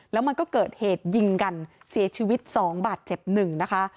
แล้วมันก็เกิดเหตุยิงกันเสียชีวิต๒บาทเจ็บ๑นะคะ